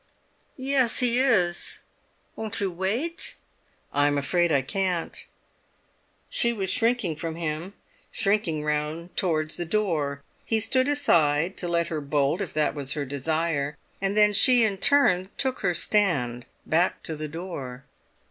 "Yes, he is. Won't you wait?" "I'm afraid I can't." She was shrinking from him, shrinking round towards the door. He stood aside, to let her bolt if that was her desire. And then she in turn took her stand, back to the door.